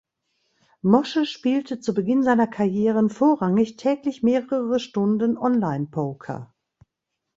Moshe spielte zu Beginn seiner Karrieren vorrangig täglich mehrere Stunden Onlinepoker.